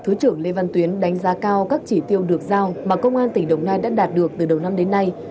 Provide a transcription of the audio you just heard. thứ trưởng lê văn tuyến đánh giá cao các chỉ tiêu được giao mà công an tỉnh đồng nai đã đạt được từ đầu năm đến nay